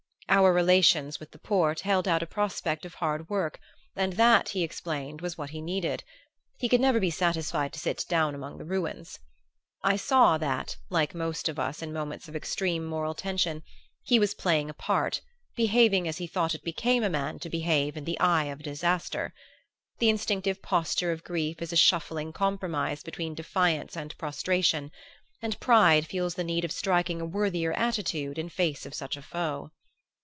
Our relations with the Porte held out a prospect of hard work, and that, he explained, was what he needed. He could never be satisfied to sit down among the ruins. I saw that, like most of us in moments of extreme moral tension, he was playing a part, behaving as he thought it became a man to behave in the eye of disaster. The instinctive posture of grief is a shuffling compromise between defiance and prostration; and pride feels the need of striking a worthier attitude in face of such a foe.